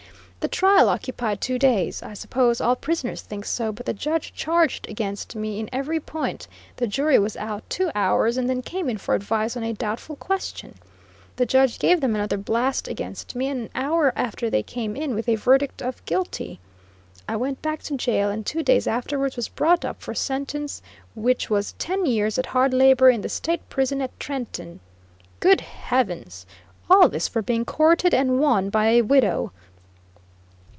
The trial occupied two days. I suppose all prisoners think so, but the Judge charged against me in every point; the jury was out two hours, and then came in for advice on a doubtful question; the judge gave them another blast against me, and an hour after they came in with a verdict of "guilty." I went back to jail and two days afterwards was brought up for sentence which was "ten years at hard labor in the State prison at Trenton." Good heavens! All this for being courted and won by a widow!